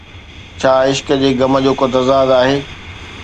ڇا عشق جي غم جو ڪو تضاد آهي؟